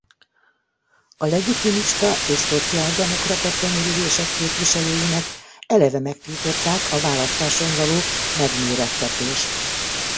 A legitimista és szociáldemokrata tömörülések képviselőinek eleve megtiltották a választáson való megmérettetést.